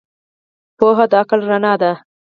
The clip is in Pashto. پوهه د عقل رڼا ده.